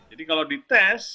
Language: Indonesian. jadi kalau di tes